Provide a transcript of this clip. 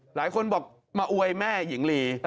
หลายคนบอกมาอวยแม่หญิงลี